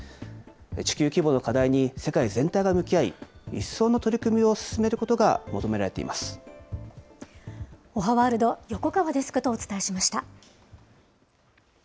地球規模の課題に、世界全体が向き合い、一層の取り組みを進めるおはワールド、横川デスクとお伝えしました。